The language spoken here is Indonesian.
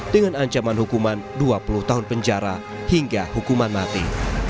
dengan ancaman hukuman dua puluh tahun penjara hingga hukuman mati